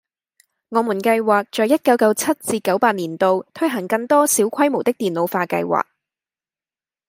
我們計劃在一九九七至九八年度推行更多小規模的電腦化計劃